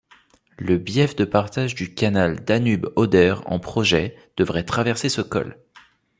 Le bief de partage du Canal Danube-Oder en projet devrait traverser ce col.